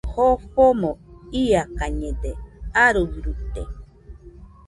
Jofomo iakañede, aruiruite